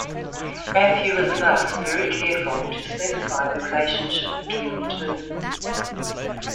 Matthew is thus very careful to specify the relationship between the two.